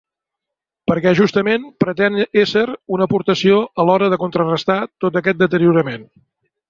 Perquè justament pretén ésser una aportació a l’hora de contrarestar tot aquest deteriorament.